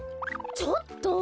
ちょっと！